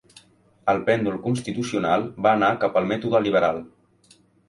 El pèndol constitucional va anar cap al mètode liberal.